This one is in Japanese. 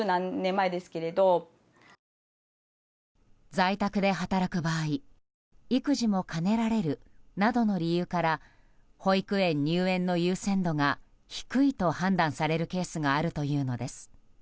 在宅で働く場合育児も兼ねられるなどの理由から保育園入園の優先度が低いと判断されるケースがあるというのです。